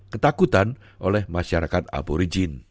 ketakutan oleh masyarakat aborigin